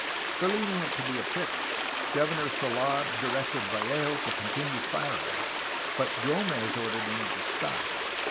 Believing it to be a trick, Governor Sold directed Vallejo to continue firing, but G6mez ordered him to stop.